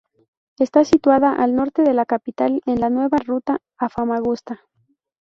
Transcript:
Está situada al norte de la capital, en la nueva ruta a Famagusta.